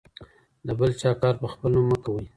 د بل چا کار په خپل نوم مه کوئ.